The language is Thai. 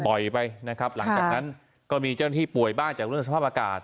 ไปนะครับหลังจากนั้นก็มีเจ้าหน้าที่ป่วยบ้างจากเรื่องสภาพอากาศ